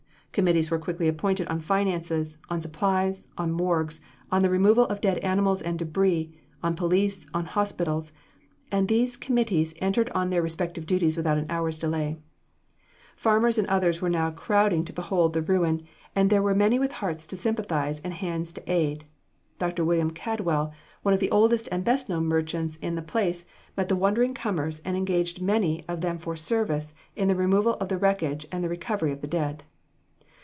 Committees were quickly appointed on finances, on supplies, on morgues, on the removal of dead animals and debris, on police, on hospitals; and these committees entered on their respective duties without an hour's delay. Farmers and others were now crowding to behold the ruin, and there were many with hearts to sympathize and hands to aid. Dr. Wm. Caldwell, one of the oldest and best known merchants in the place, met the wondering comers and engaged many of them for service in the removal of the wreckage and the recovery of the dead.